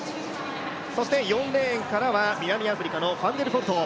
そして４レーンからは南アフリカのファンデルフォルト。